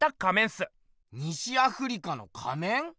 西アフリカの仮面？